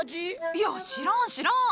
いや知らん知らん。